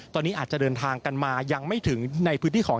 ตอนนี้อาจจะเดินทางกันมายังไม่ถึงในพื้นที่ของ